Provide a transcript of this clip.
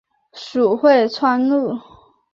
属会川路。